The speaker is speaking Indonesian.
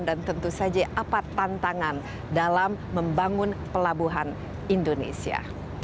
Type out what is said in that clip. dan tentu saja apa tantangan dalam membangun pelabuhan indonesia